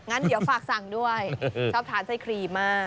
งั้นเดี๋ยวฝากสั่งด้วยชอบทานไส้ครีมมาก